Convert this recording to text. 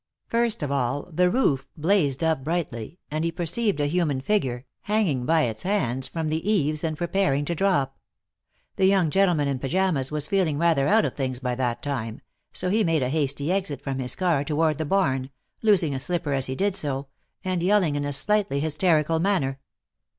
First of all, the roof blazed up brightly, and he perceived a human figure, hanging by its hands from the eaves and preparing to drop. The young gentleman in pajamas was feeling rather out of things by that time, so he made a hasty exit from his car toward the barn, losing a slipper as he did so, and yelling in a slightly hysterical manner.